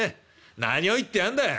『何を言ってやんだよ。